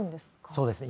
そうですね。